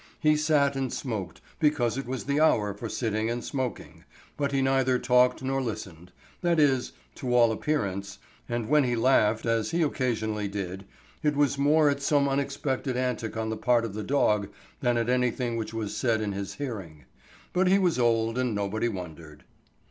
He sat and smoked, because it was the hour for sitting and smoking, but he neither talked nor listened,—that is, to all appearance—and when he laughed, as he occasionally did, it was more at some unexpected antic on the part of the dog than at anything which was said in his hearing. But he was old and nobody wondered.